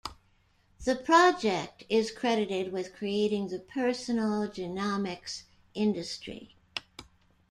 The project is credited with creating the personal genomics industry.